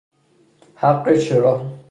حق چرا